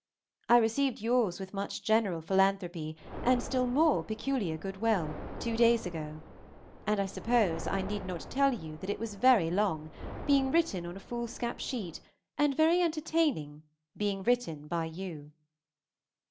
I received yours with much general philanthropy, and still more peculiar good will, two days ago; and I suppose I need not tell you that it was very long, being written on a foolscap sheet, and very entertaining, being written by you.